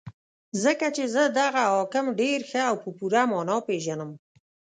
ځکه چې زه دغه حاکم ډېر ښه او په پوره مانا پېژنم.